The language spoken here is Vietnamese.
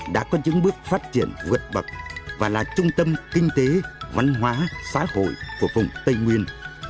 đã có những bước phát triển vượt bậc và là trung tâm kinh tế văn hóa xã hội của vùng tây nguyên